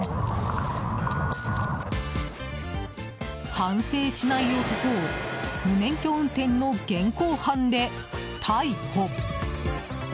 反省しない男を無免許運転の現行犯で逮捕。